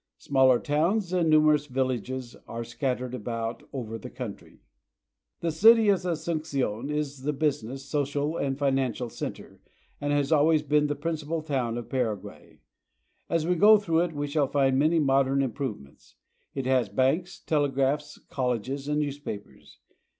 Smaller towns and nu merous villages are scattered about over the country. 220 PARAGUAY. The city of Asuncion is the business, social, and finan cial center, and has always been the principal town of Paraguay. As we go through it we shall find many modern improvements. It has banks, telegraphs, colleges, and newspapers.